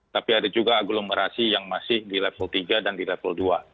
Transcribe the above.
tapi ada juga aglomerasi yang masih di level tiga dan di level dua